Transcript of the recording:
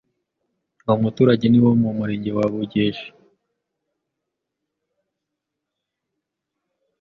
uwo muturage ni uwo mu Murenge wa Bugeshi